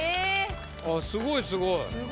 あっすごいすごい。